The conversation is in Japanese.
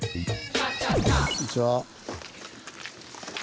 こんにちは。